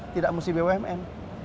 tidak mesti bumn